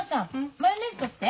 マヨネーズ取って。